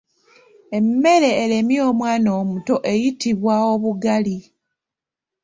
Emmere eremye omwana omuto eyitibwa Obugali.